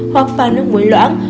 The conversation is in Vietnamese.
hoặc pha nước muối loãng